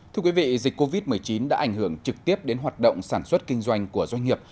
thưa quý vị dịch covid một mươi chín đã ảnh hưởng trực tiếp đến hoạt động sản xuất kinh doanh của doanh nghiệp